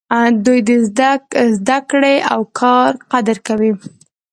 دوی د زده کړې او کار قدر کوي.